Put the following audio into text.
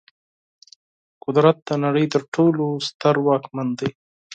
قدرت د نړۍ تر ټولو ستر واکمن دی.